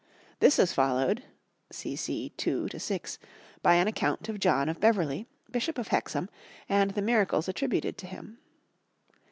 This is followed (cc. 2 6) by an account of John of Beverley, Bishop of Hexham, and the miracles attributed to him.